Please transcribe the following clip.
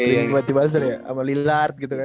sering banget di buzzer ya sama lillard gitu kan